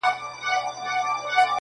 د احمق نوم يې پر ځان نه سو منلاى-